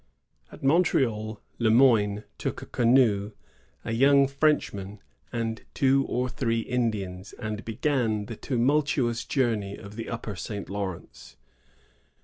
At Montreal, Le Moyne took a canoe, a young Frenchman, and two or three Indians, and began the tumultuous journey of the Upper St. Lawrence.